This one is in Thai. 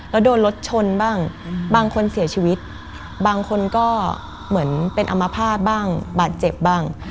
แล้วโดนรถชนบ้างบางคนเสียชีวิตบางคนก็เหมือนเป็นอมภาษณ์บ้างบาดเจ็บบ้าง